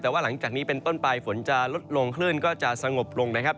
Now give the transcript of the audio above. แต่ว่าหลังจากนี้เป็นต้นไปฝนจะลดลงคลื่นก็จะสงบลงนะครับ